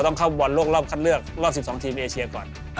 ต้องเป็นเบอร์หนึ่งเจ้าอาเซียน